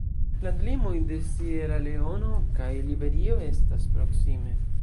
Landlimoj de Sieraleono kaj Liberio estas proksime.